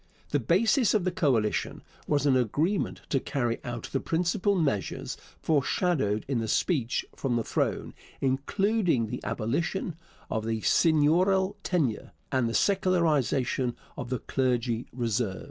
The basis of the coalition was an agreement to carry out the principal measures foreshadowed in the speech from the throne including the abolition of the Seigneurial Tenure and the secularization of the Clergy Reserves.